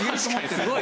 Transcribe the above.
すごい。